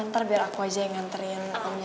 ntar biar aku aja yang nganterin